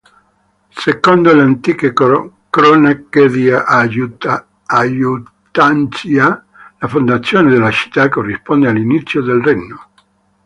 Secondo le antiche cronache di Ayutthaya, la fondazione della città corrisponde all'inizio del regno.